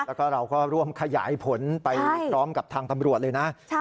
แล้วก็เราก็ร่วมขยายผลไปพร้อมกับทางตำรวจเลยนะ